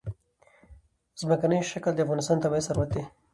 ځمکنی شکل د افغانستان طبعي ثروت دی.